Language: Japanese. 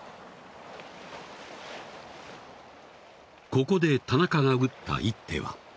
ここで田中が打った一手は？